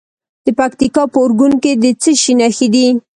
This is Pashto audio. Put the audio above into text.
د پکتیکا په اورګون کې د څه شي نښې دي؟